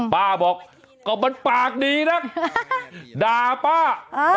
ป้าบอกก็มันปากดีนะด่าป้า